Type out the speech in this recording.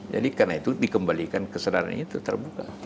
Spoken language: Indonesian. jadi karena itu dikembalikan kesadaran itu terbuka